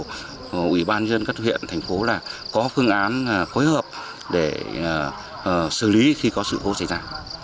của ủy ban nhân dân các huyện thành phố là có phương án phối hợp để xử lý khi có sự hô xảy ra